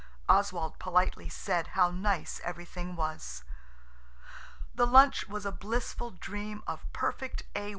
Oswald politely said how nice everything was. The lunch was a blissful dream of perfect A.